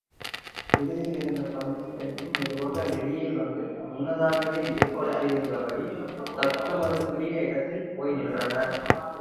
விடுதியிலிருந்த பதினொரு பேர்களும் மெதுவாக வெளியே வந்து முன்னதாகவே ஏற்பாடு செய்திருந்தபடி, தத்தமக்குரிய இடத்தில் போய் நின்றனர்.